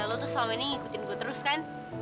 lo tuh selama ini ngikutin gue terus kan